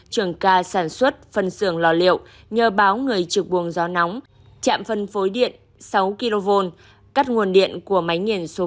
trường ca sản xuất phân xưởng lò liệu nhờ báo người trực buồng gió nóng chạm phân phối điện sáu kv cắt nguồn điện của máy nghiền số ba